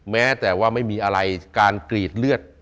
แม้แต่ว่าไม่มีอะไรการกรีดเลือด